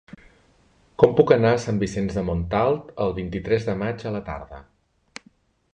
Com puc anar a Sant Vicenç de Montalt el vint-i-tres de maig a la tarda?